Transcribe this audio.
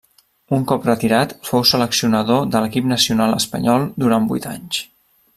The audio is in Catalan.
Un cop retirat fou seleccionador de l'equip nacional espanyol durant vuit anys.